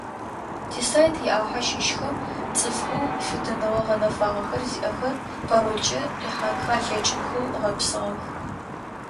Тисайт иӏахьэ щыщхэм цӏыфхэу фитыныгъэ гъэнэфагъэхэр зиӏэхэр паролкӏэ къихьэнхэ алъэкӏынхэу гъэпсыгъэх.